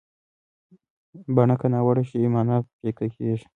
بڼه که ناوړه شي، معنا پیکه کېږي.